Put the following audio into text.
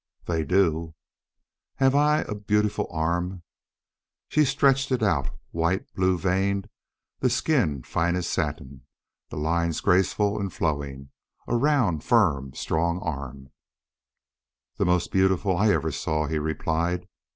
"They do." "Have I a beautiful arm?" She stretched it out, white, blue veined, the skin fine as satin, the lines graceful and flowing, a round, firm, strong arm. "The most beautiful I ever saw," he replied.